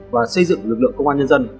và xây dựng lực lượng công an nhân dân